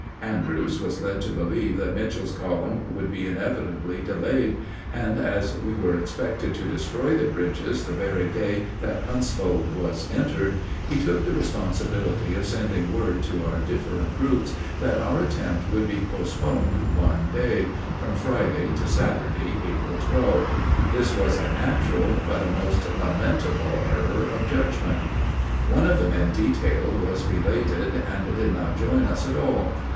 Andrews was led to believe that Mitchel's column would be inevitably delayed; and as we were expected to destroy the bridges the very day that Huntsville was entered, he took the responsibility of sending word to our different groups that our attempt would be postponed one day from Friday to Saturday, April 12. This was a natural but a most lamentable error of judgment. One of the men detailed was belated, and did not join us at all.